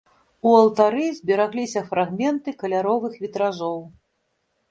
У алтары зберагліся фрагменты каляровых вітражоў.